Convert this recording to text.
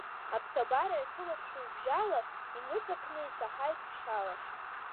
Аԥсабара иахылаԥшу ибжьала, иныҵакны исаҳаит ԥшьаала…